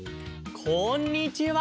こんにちは。